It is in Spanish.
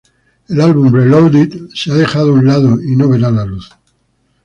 El álbum "Reloaded" se ha dejado a un lado y no verá la luz.